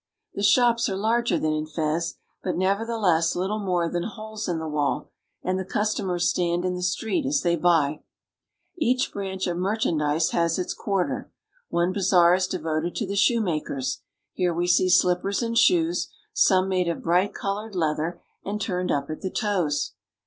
The shops arc larger than in Fez, but (levertheless little than holes in ie wall, and the cus fomers stand in thi.; treet as they buy. |ach branch of nifi ihandise has its quar Otie bazaar is levoted to the shoe Riakers. Here we see slippers and shoes, lome made of bright Mjlored leather and ^rned up at the toes.